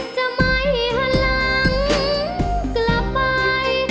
จะไม่หันหลังกลับไป